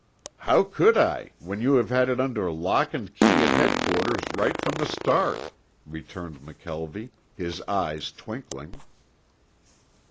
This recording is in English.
"How could I when you have had it under lock and key at Headquarters right from the start," returned McKelvie, his eyes twinkling.